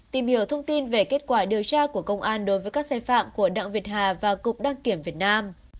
tìm hiểu thông tin về kết quả điều tra của công an đối với các xe phạm của đặng việt hà và cục đăng kiểm việt nam